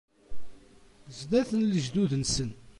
Sdat n lejdud-nsen.